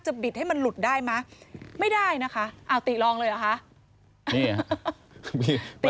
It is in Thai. บิดให้มันหลุดได้ไหมไม่ได้นะคะอ้าวติลองเลยเหรอคะ